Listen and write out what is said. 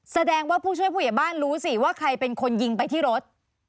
แสดงว่าผู้ช่วยผู้ใหญ่บ้านรู้สิว่าใครเป็นคนยิงไปที่รถ